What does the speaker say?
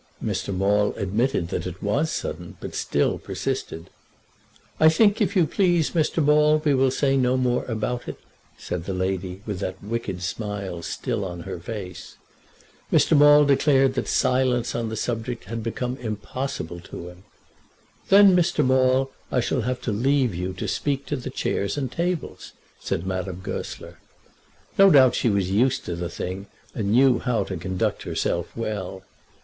Mr. Maule admitted that it was sudden, but still persisted. "I think, if you please, Mr. Maule, we will say no more about it," said the lady, with that wicked smile still on her face. Mr. Maule declared that silence on the subject had become impossible to him. "Then, Mr. Maule, I shall have to leave you to speak to the chairs and tables," said Madame Goesler. No doubt she was used to the thing, and knew how to conduct herself well.